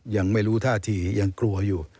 ยังไม่รู้ท่าทียังกลัวอยู่